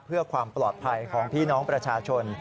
เพื่อความปลอดภัยของพี่น้องประชาชน